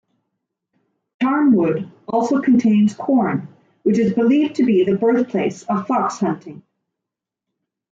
Charnwood also contains Quorn, which is believed to be the birthplace of fox-hunting.